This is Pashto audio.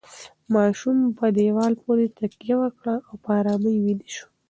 ماشوم په دیوال پورې تکیه وکړه او په ارامۍ ویده شو.